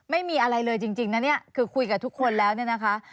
ไม่มีอะไรเลยจริงนะเนี่ยคือคุยกับทุกคนแล้วเนี่ยนะคะ